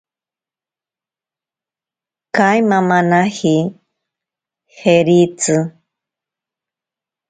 Kaimamanaji jeritzi.